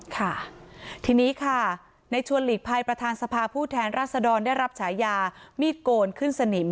ค่ะทีนี้ค่ะในชวนหลีกภัยประธานสภาผู้แทนรัศดรได้รับฉายามีดโกนขึ้นสนิม